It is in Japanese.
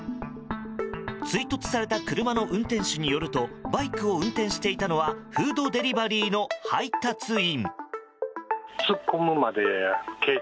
追突された車の運転手によりますとバイクを運転していたのはフードデリバリーの配達員。